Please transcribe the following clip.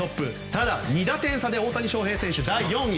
ただ、２打点差で大谷翔平選手が４位。